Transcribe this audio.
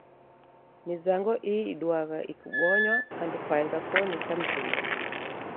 Mizango ii iduagha ikibonywa andu kwaenga koni cha mizinyi.